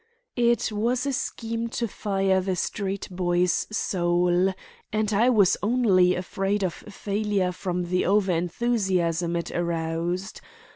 It was a scheme to fire the street boy's soul, and I was only afraid of failure from the over enthusiasm it aroused.